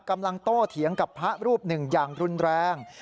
โตเถียงกับพระรูปหนึ่งอย่างรุนแรง